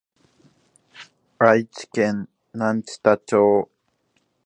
愛知県南知多町